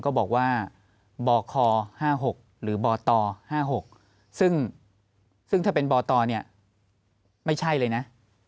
ก็บอกว่าบคห้าหกหรือบตห้าหกซึ่งซึ่งถ้าเป็นบตเนี่ยไม่ใช่เลยน่ะ